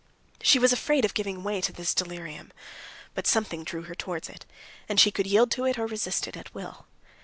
She was afraid of giving way to this delirium. But something drew her towards it, and she could yield to it or resist it at will.